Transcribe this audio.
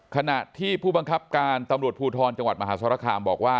ขณะที่ผู้บังคับการตำรวจภูทรจังหวัดมหาสรคามบอกว่า